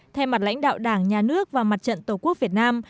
thay mặt lãnh đạo đảng nhà nước và mặt trận tổ quốc việt nam